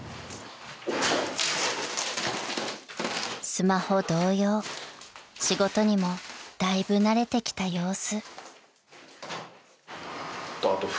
［スマホ同様仕事にもだいぶ慣れてきた様子］